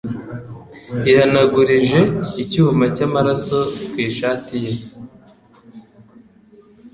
yihanagurije icyuma cyamaraso ku ishati ye.